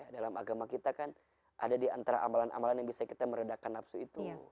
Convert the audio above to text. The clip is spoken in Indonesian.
dalam agama kita kan ada di antara amalan amalan yang bisa kita meredakan nafsu itu